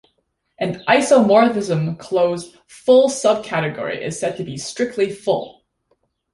An isomorphism-closed full subcategory is said to be strictly full.